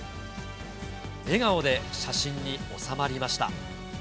笑顔で写真に収まりました。